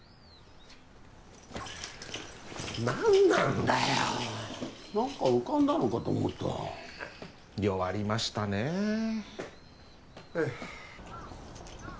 何なんだよ何か浮かんだのかと思った弱りましたねはあ